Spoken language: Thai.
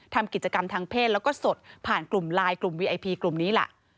ทำกิจกรรมทางเพศแล้วก็สดผ่านกลุ่มไลน์กลุ่มวีไอพีกลุ่มนี้ล่ะ